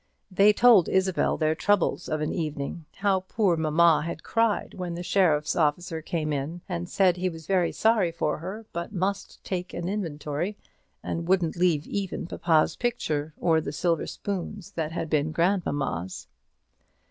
They told Isabel their troubles of an evening; how poor mamma had cried when the sheriff's officer came in, and said he was very sorry for her, but must take an inventory, and wouldn't leave even papa's picture or the silver spoons that had been grandmamma's.